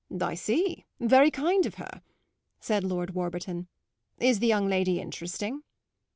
"I see, very kind of her," said Lord Warburton. Is the young lady interesting?"